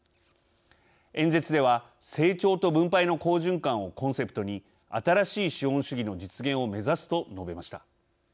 演説では「成長と分配の好循環をコンセプトに新しい資本主義の実現を目指す」と述べました。